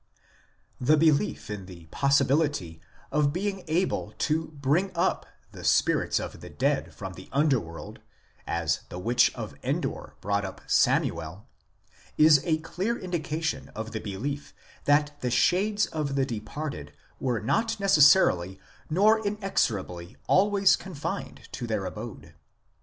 The belief in the possibility of being able to " bring up" the spirits of the dead from the underworld, as the witch of Endor brought up Samuel, is a clear indica tion of the belief that the shades of the departed were not necessarily nor inexorably always confined to their abode.